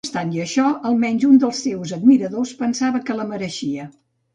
No obstant això, almenys un dels seus admiradors pensava que la mereixia.